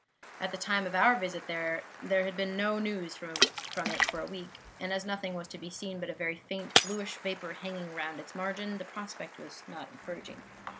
"At the time of our visit there had been no news from it for a week; and as nothing was to be seen but a very faint bluish vapor hanging round its margin, the prospect was not encouraging.